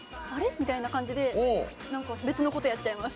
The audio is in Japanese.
みたいな感じでなんか別の事やっちゃいます。